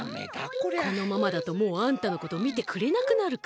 このままだともうあんたのことみてくれなくなるかも。